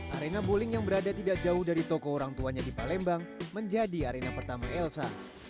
arena bowling yang berada tidak jauh dari toko orang tuanya di palembang menjadi arena pertama elsa